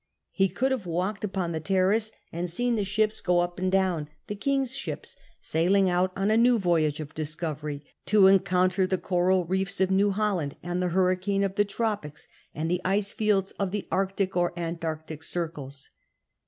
He could have walked upon the terrace and seen the ships go up and down — the king's ships sailing out on a new voyage of discovery to encounter the coral reefs of New Holland and the hurricane of the tropics and the ice fields of the Arctic or Antarctic circles.